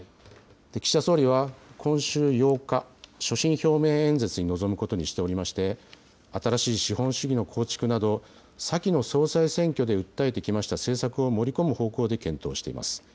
岸田総理は今週８日、所信表明演説に臨むことにしておりまして、新しい資本主義の構築など、先の総裁選挙で訴えてきました政策を盛り込む方向で検討しています。